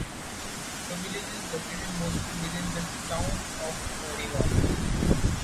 The village is located mostly within the Town of Oregon.